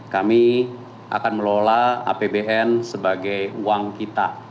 kami akan melola apbn sebagai uang kita